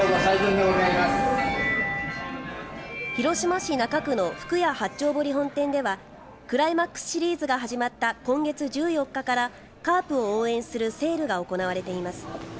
広島市中区の福屋八丁堀本店ではクライマックスシリーズが始まった今月１４日からカープを応援するセールが行われています。